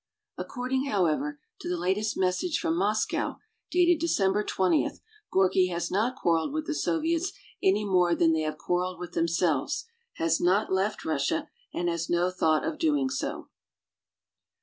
According, however, to the latest message from Moscow, dated Decem ber 20, Gorky has not quarreled with the Soviets any more than they have quarreled with themselves, has not left Russia, and has no thought of doing so.